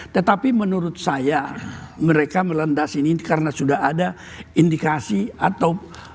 tetapi menurut saya mereka melanda sini karena sudah ada indikasi atau